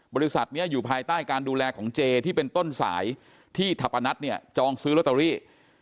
บริษัทนี้อยู่ภายใต้การดูแลของเจที่เป็นต้นสายที่ทัพนัทเนี่ยจองซื้อลอตเตอรี่